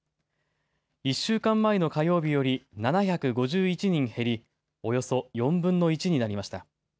１週間前の火曜日より７５１人減り、およそ４分の１になりました。